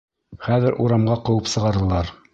Хәҙер урамға ҡыуып сығарҙылар.